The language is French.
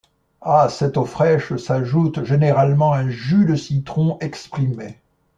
À cette eau fraîche s'ajoute généralement un jus de citron exprimé.